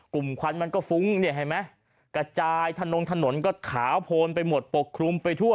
ควันมันก็ฟุ้งเนี่ยเห็นไหมกระจายถนนถนนก็ขาวโพนไปหมดปกคลุมไปทั่ว